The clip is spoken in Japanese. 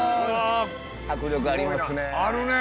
迫力ありますね。